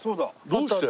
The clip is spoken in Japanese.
どうして？